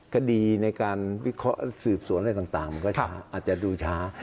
คดีในการสืบสวนอะไรต่างมันก็ช้าอาจจะดูช้า